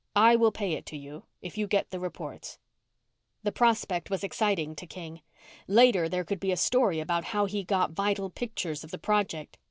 "I will pay it to you if you get the reports." The prospect was exciting to King. Later, there could be a story about how he got vital pictures of the project.